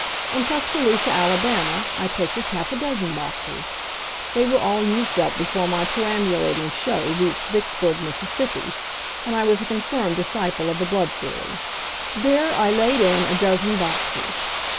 In Tuscaloosa, Alabama, I purchased half a dozen boxes. They were all used up before my perambulating show reached Vicksburg, Miss., and I was a confirmed disciple of the blood theory. There I laid in a dozen boxes.